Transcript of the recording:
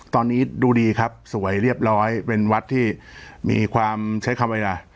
ตอนนี้ดูดีครับสวยเรียบร้อยเป็นวัดที่มีความใช้คำอะไรล่ะ